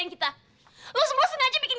rasain di tempat ini